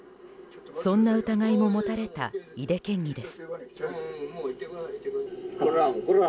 そんな疑いも持たれた井手県議です。